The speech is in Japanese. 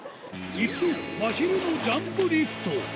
一方、まひるのジャンプリフト。